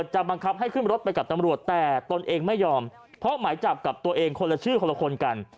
บังคับให้ขึ้นรถไปกับตำรวจแต่ตนเองไม่ยอมเพราะหมายจับกับตัวเองคนละชื่อคนละคนกัน